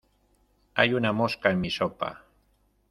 Hay una mosca en mi sopa.